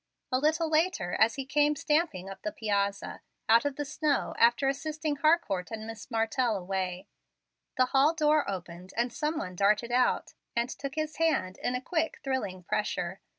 A little later, as he came stamping up the piazza, out of the snow, after assisting Harcourt and Miss Martell away, the hall door opened, and some one darted out, and took his hand in a quick, thrilling pressure.